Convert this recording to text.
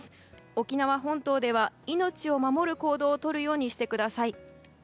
沖縄本島では命を守る行動をとるようにしてください。